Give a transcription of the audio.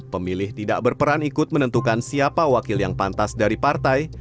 pemilih tidak berperan ikut menentukan siapa wakil yang pantas dari partai